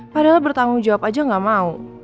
padahal bertanggung jawab aja gak mau